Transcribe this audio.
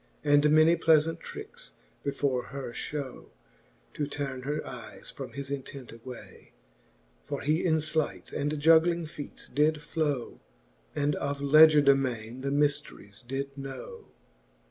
And many pleafant trickes before her Ihow, To turn her eyes from his intent away : For he in flights and juggling feates did flow. And of legier de mayne the myfl:eries did know.